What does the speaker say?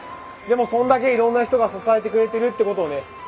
でもそんだけいろんな人が支えてくれてるってことをね